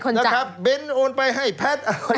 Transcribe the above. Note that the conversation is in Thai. ก็ต้องเจอล่ะครับบินโอนไปให้แพทย์